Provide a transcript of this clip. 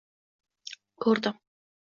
Ko’rdim.